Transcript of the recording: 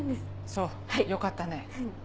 そうよかったね。